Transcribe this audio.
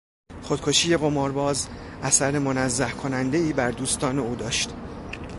خودکشی قمارباز اثرمنزه کنندهای بر دوستان او داشت.